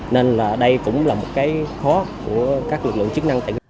nên là đây cũng là một cái khó của các lực lượng chức năng tỉnh